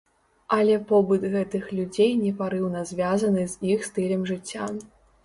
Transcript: Але побыт гэтых людзей непарыўна звязаны з іх стылем жыцця.